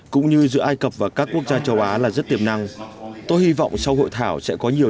cũng như giữa ai cập và các quốc gia châu á là rất tiềm năng tôi hy vọng sau hội thảo sẽ có nhiều